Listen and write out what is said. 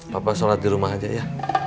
papa sholat di rumah aja ya